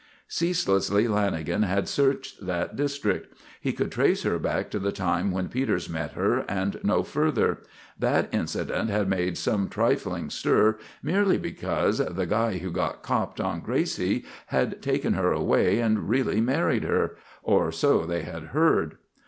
Ceaselessly Lanagan had searched that district. He could trace her back to the time when Peters met her and no further. That incident had made some trifling stir merely because the "guy who got 'copped' on Gracie" had taken her away and really married her; or so they had heard.